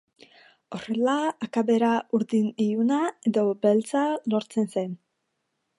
Horrela akabera urdin iluna edo beltza lortzen zen.